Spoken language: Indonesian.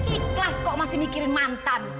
ikhlas kok masih mikirin mantan